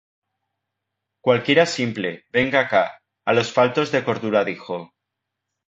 Cualquiera simple, venga acá. A los faltos de cordura dijo: